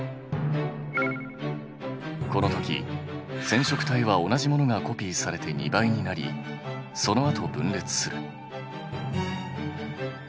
このとき染色体は同じものがコピーされて２倍になりそのあと分裂する。